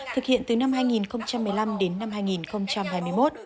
thực hiện từ năm hai nghìn một mươi năm đến năm hai nghìn hai mươi một